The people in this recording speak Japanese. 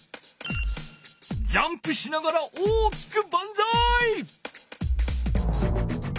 ジャンプしながら大きくバンザイ！